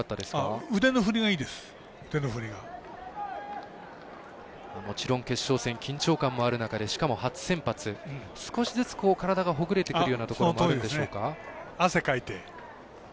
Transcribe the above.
もちろん決勝戦緊張感もある中でしかも初先発、少しずつ体がほぐれてくるようなところもあるんでしょうか。